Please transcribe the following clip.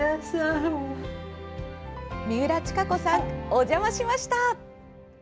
三浦親子さんお邪魔しました。